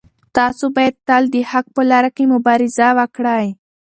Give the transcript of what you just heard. تاسو باید تل د حق په لاره کې مبارزه وکړئ.